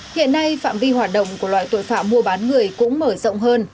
hiện nay phạm vi hoạt động của loại tội phạm mua bán người cũng mở rộng hơn